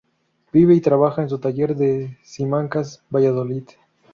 Vive y trabaja en su taller de Simancas, Valladolid.